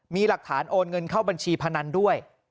มีหลักฐานโอนเงินเข้าบัญชีพนันด้วย